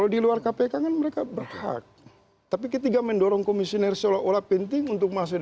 jangan mereka berhak tapi ketiga mendorong komisioner seolah olah penting untuk masuk